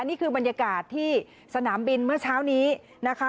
นี่คือบรรยากาศที่สนามบินเมื่อเช้านี้นะคะ